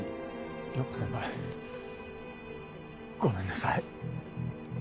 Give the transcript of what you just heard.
涼子先輩ごめんなさい。